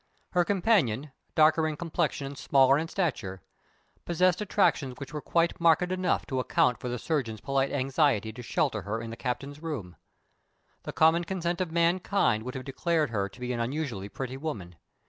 Her companion, darker in complexion and smaller in stature, possessed attractions which were quite marked enough to account for the surgeon's polite anxiety to shelter her in the captain's room. The common consent of mankind would have declared her to be an unusually pretty woman.